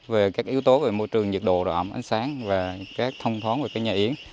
và môi trường nhiệt độ độ ẩm ánh sáng thông thoáng của nhà yến